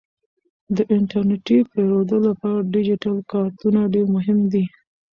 د انټرنیټي پیرودلو لپاره ډیجیټل کارتونه ډیر مهم دي.